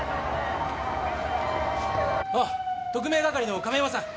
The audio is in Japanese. あっ特命係の亀山さん！